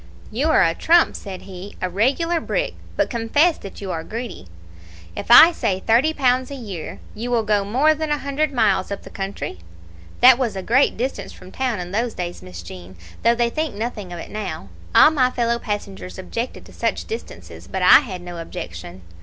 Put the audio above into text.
"'You are a trump,' said he, 'a regular brick; but confess that you are greedy. If I say thirty pounds a year, you will go more than a hundred miles up the country?' That was a great distance from town in those days, Miss Jean, though they think nothing of it now. All my fellow passengers objected to such distances, but I had no objection.